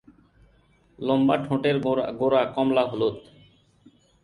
লম্বা ঠোঁটের গোড়া কমলা-হলুদ।